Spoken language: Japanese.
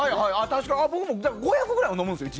確かに、僕も５００くらいは飲むんですよ